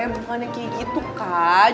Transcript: bukannya kayak gitu kak